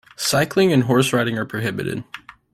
Cycling and Horse Riding are prohibited.